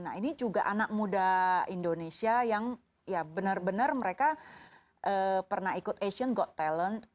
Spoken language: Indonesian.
nah ini juga anak muda indonesia yang ya benar benar mereka pernah ikut asian go talent